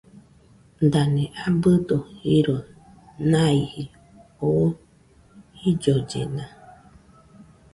Dane abɨdo jiro naijɨ oo jillollena.